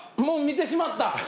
もう見てしまった。